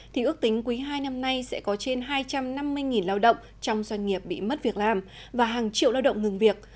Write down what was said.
thì ước tính quý hai năm nay sẽ có trên hai trăm năm mươi lao động trong doanh nghiệp bị mất việc làm và hàng triệu lao động ngừng việc